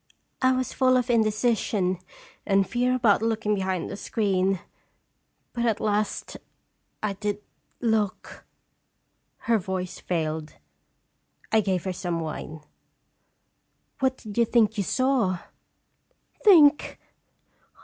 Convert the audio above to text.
I was full of indecision and fear about looking behind the screen, but, at last, I did look" Her voice failed. I gave her some wine " What did you think you saw?" " Think!